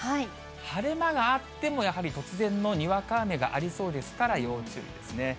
晴れ間があっても、やはり突然のにわか雨がありそうですから要注意ですね。